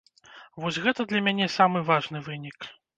Вось гэта для мяне самы важны вынік.